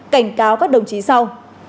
cảnh cáo các đồng chí sau